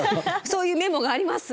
そういうメモがあります。